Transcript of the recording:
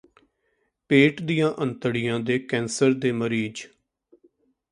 ਪੇਟ ਦੀਆਂ ਅੰਤੜੀਆਂ ਦੇ ਕੈਂਸਰ ਦੇ ਮਰੀਜ